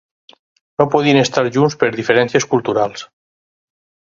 No podien estar junts per diferències culturals.